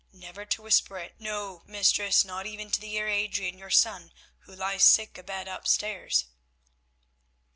Never to whisper it, no, mistress, not even to the Heer Adrian, your son who lies sick abed upstairs."